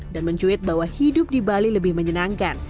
dan mencuit bahwa hidup di bali lebih menyenangkan